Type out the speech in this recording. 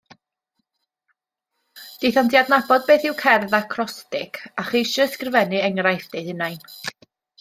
Daethant i adnabod beth yw cerdd acrostig a cheisio ysgrifennu enghraifft eu hunain